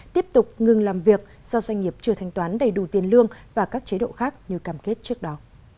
tiếp tục ngừng làm việc do doanh nghiệp chưa thanh toán đầy đủ tiền lương và các chế độ khác như cam kết trước đó